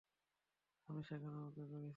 আমি সেখানে অপেক্ষা করছি।